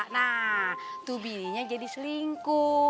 nah tuh bininya jadi selingkuh